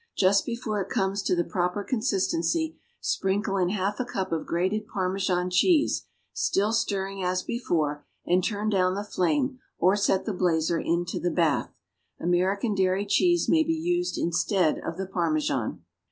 Just before it comes to the proper consistency, sprinkle in half a cup of grated Parmesan cheese, still stirring as before, and turn down the flame or set the blazer into the bath. American dairy cheese may be used instead of the Parmesan.